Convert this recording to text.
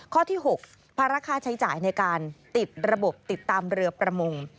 ข้อที่๖ภาระค่าใช้จ่ายในการติดระบบติดตามเรือประมง